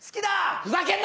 ふざけんな！